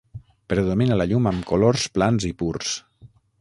Predomina la llum amb colors plans i purs.